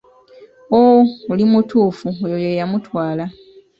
Oh, oli mutuufu oyo ye yamutwala.